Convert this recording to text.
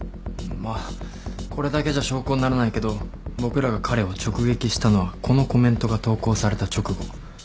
まあこれだけじゃ証拠にならないけど僕らが彼を直撃したのはこのコメントが投稿された直後。